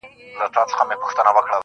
کندهارۍ سترگي دې د هند د حورو ملا ماتوي,